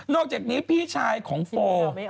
อกจากนี้พี่ชายของโฟ